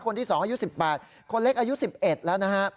๒อายุ๑๘คนเล็กอายุ๑๑แล้วนะฮะ